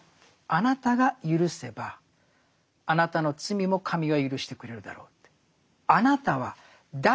あなたがゆるせばあなたの罪も神はゆるしてくれるだろうって。